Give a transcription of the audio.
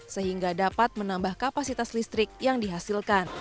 sehingga dapat menambah kapasitas listrik yang dihasilkan